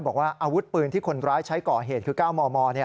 อาวุธปืนที่คนร้ายใช้ก่อเหตุคือ๙มม